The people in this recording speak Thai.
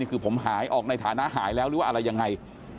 คือผมหายออกในฐานะหายแล้วหรือว่าอะไรยังไง